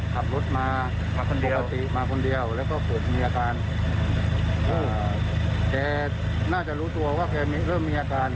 แกน่าจะรู้ตัวว่าแกเริ่มมีอาการ